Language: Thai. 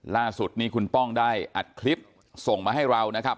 ล่าสุดนี้คุณป้องได้อัดคลิปส่งมาให้เรานะครับ